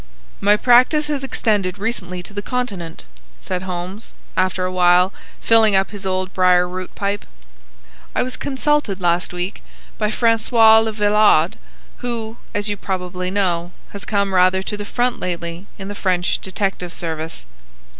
"My practice has extended recently to the Continent," said Holmes, after a while, filling up his old brier root pipe. "I was consulted last week by François Le Villard, who, as you probably know, has come rather to the front lately in the French detective service.